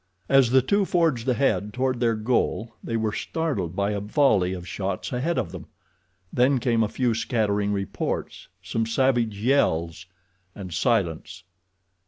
As the two forged ahead toward their goal they were startled by a volley of shots ahead of them. Then came a few scattering reports, some savage yells, and silence.